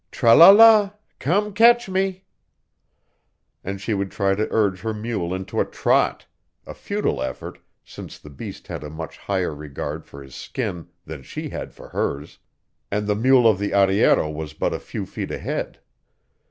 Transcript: "Tra la la! Come, catch me!" And she would try to urge her mule into a trot a futile effort, since the beast had a much higher regard for his skin than she had for hers; and the mule of the arriero was but a few feet ahead.